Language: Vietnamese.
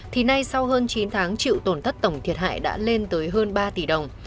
thì nay sau hơn chín tháng chịu tổn thất tổng thiệt hại đã lên tới hơn ba tỷ đồng